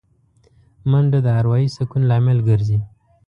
منډه د اروايي سکون لامل ګرځي